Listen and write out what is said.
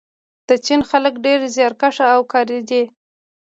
د چین خلک ډېر زیارکښ او کاري دي.